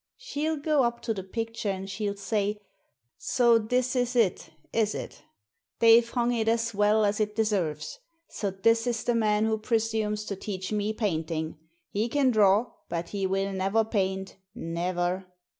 She'll go up to the picture and she'll say, *So this is it, is it? They've hung it as well as it deserves. So this is the man who pre sumes to teach me painting? He can draw, but he will never paint — never.'